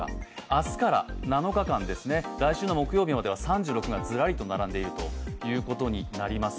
明日から７日間、来週の木曜日までは３６がずらりと並んでいるということになります。